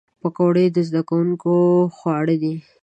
پکورې د زدهکوونکو خواړه دي